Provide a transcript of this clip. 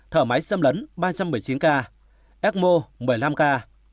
thở máy xâm lấn ba trăm bảy mươi chín ca ecmo một mươi năm ca